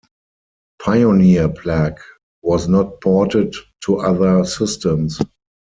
"Pioneer Plague" was not ported to other systems.